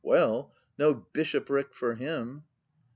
] Well; no bishopric for him